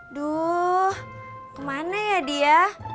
aduh kemana ya dia